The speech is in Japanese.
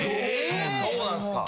そうなんすか。